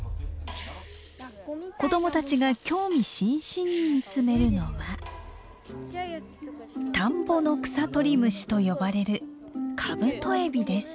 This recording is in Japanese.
子供たちが興味津々に見つめるのは田んぼの草取り虫と呼ばれるカブトエビです。